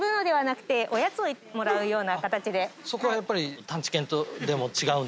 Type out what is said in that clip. そこはやっぱり探知犬でも違うんですね。